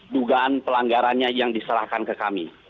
dugaan pelanggarannya yang diserahkan ke kami